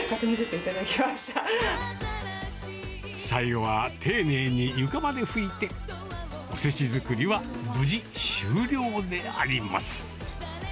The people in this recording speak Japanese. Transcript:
最後は丁寧に床まで拭いて、おせち作りは無事終了であります。